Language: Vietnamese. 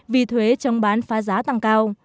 vì thuế trong bán phá giá tăng cao